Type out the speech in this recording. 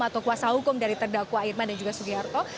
atau kuasa hukum dari terdakwa irman dan juga sugiharto